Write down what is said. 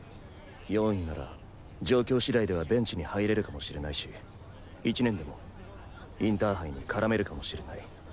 ４位なら状況次第ではベンチに入れるかもしれないし１年でもインターハイに絡めるかもしれない。